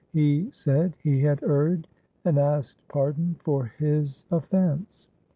He said he had erred and asked pardon for his offence.